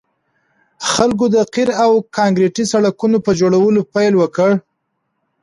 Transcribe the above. خلکو د قیر او کانکریټي سړکونو په جوړولو پیل وکړ